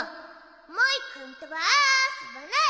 モイくんとはあそばない！